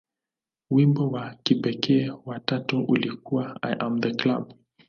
Wimbo wa kipekee wa tatu ulikuwa "I Am The Club".